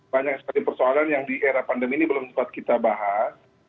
banyak sekali persoalan yang di era pandemi ini belum sempat kita bahas